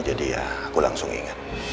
jadi ya aku langsung ingat